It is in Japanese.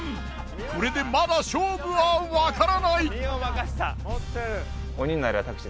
これでまだ勝負はわからない。